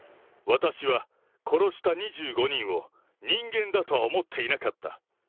私は殺した２５人を人間だとは思っていなかった。